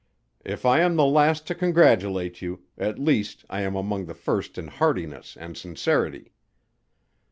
If I am the last to congratulate you, at least I am among the first in heartiness and sincerity....